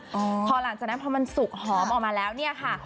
พอหลังจากนั้นพอมันสุกหอมออกมาแล้วเนี่ยค่ะ